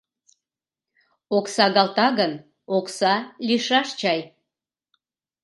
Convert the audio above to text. — Оксагалта гын, окса лийшаш чай.